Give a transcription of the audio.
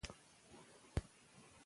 پوهه د تیارو پر وړاندې روښان څراغ دی.